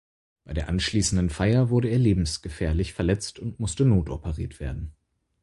Bei der anschließenden Feier wurde er lebensgefährlich verletzt und musste notoperiert werden.